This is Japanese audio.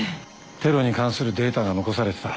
テロに関するデータが残されてた。